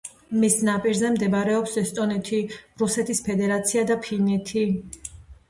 მის ნაპირებზე მდებარეობს ესტონეთი, რუსეთის ფედერაცია და ფინეთი.